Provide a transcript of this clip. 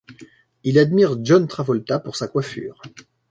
Il admire John Travolta pour sa coiffure.